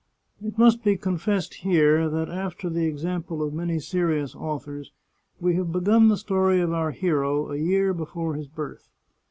It must be confessed here that, after the example of many serious authors, we have begun the story of our hero a year before his birth.